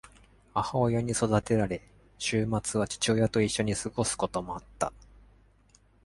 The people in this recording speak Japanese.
母親に育てられ、週末は父親と一緒に過ごすこともあった。